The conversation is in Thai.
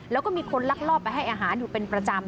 แล้วก็มีคนลักลอบไปให้อาหารอยู่เป็นประจำ